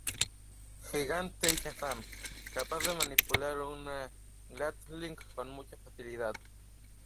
Gigante y shaman, capaz de manipular una gatling con mucha facilidad.